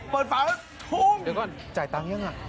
เปิดฝันแล้วบุ๊ม